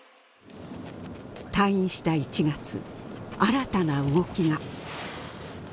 退院した１月新たな動きが。